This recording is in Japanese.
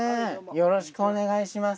よろしくお願いします。